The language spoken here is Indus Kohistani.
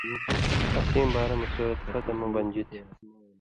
اسیں بارہ مہ سورت فتح مہ بنژی تھی۔